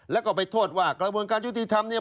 แล้วก็ไปโทษว่ากระบวนการยุติธรรมเนี่ย